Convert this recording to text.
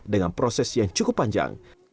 dengan proses yang cukup panjang